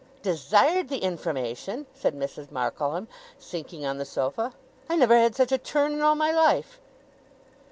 'Desired the information!' said Mrs. Markleham, sinking on the sofa. 'I never had such a turn in all my life!